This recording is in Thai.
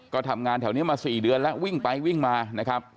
ก็ทำงานแถวนี้มา๔เดือนแล้ววิ่งไปวิ่งมานะครับ